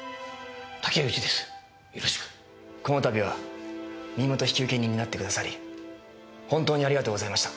この度は身元引受人になってくださり本当にありがとうございました。